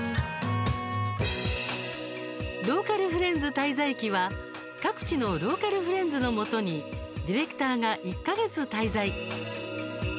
「ローカルフレンズ滞在記」は各地のローカルフレンズのもとにディレクターが１か月滞在。